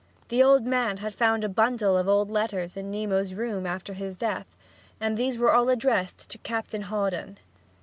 The old man had found a bundle of old letters in Nemo's room after his death, and these were all addressed to "Captain Hawdon."